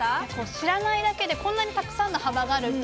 知らないだけでこんなにたくさんの幅があるね